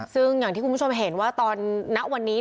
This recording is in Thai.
ซึ่งอย่างที่คุณผู้ชมเห็นว่าตอนณวันนี้